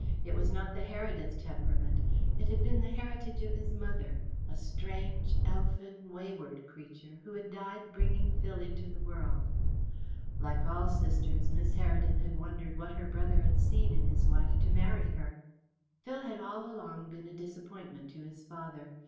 It was not the Heredith temperament. It had been the heritage of his mother, a strange, elfin, wayward creature, who had died bringing Phil into the world. Like all sisters, Miss Heredith had wondered what her brother had seen in his wife to marry her. Phil had all along been a disappointment to his father.